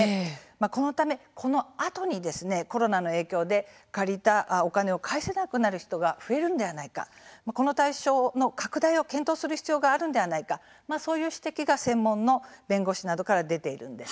このためこのあとにコロナの影響で借りたお金を返せなくなる人が増えるのではないかこの対象の拡大を検討する必要があるのではないかという指摘が専門の弁護士などから出ているんです。